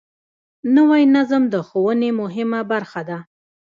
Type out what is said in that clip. نوی نظم د ښوونې مهمه برخه ده